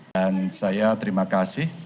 dan saya terima kasih